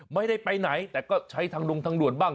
ไม่ได้ไปไหนแต่ก็ใช้ทางลงทางด่วนบ้าง